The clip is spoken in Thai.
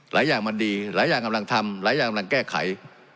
หลายอย่างมันดีหลายอย่างกำลังทำหลายอย่างกำลังแก้ไข